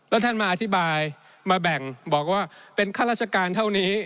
แล้วท่านมาอธิบายมาแบ่งบอกว่าเป็นข้าราชการเท่านี้